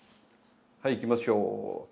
はい、いきましょう。